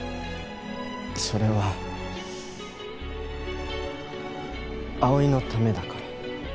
それは葵のためだから。